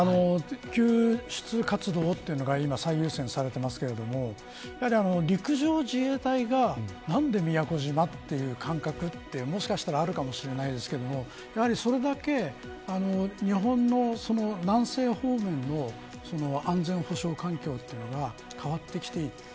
救出活動というのが最優先されていますがやっぱり陸上自衛隊が何で宮古島、という感覚ってもしかしたらあるかもしれませんがやはりそれだけ日本の南西方面の安全保障環境というのが変わってきている。